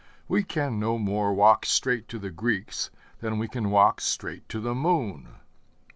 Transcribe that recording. We can no more walk straight to the Greeks than we can walk straight to the moon.